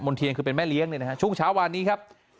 เทียนคือเป็นแม่เลี้ยงเนี่ยนะฮะช่วงเช้าวานนี้ครับ